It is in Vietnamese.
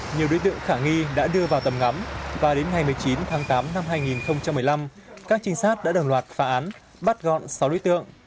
nhiều đối tượng khả nghi đã đưa vào tầm ngắm và đến ngày một mươi chín tháng tám năm hai nghìn một mươi năm các trinh sát đã đồng loạt phá án bắt gọn sáu đối tượng